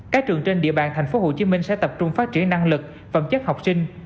các trường trên địa bàn tp hcm sẽ tập trung phát triển năng lực phẩm chất học sinh